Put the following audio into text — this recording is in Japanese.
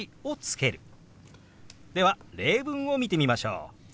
では例文を見てみましょう。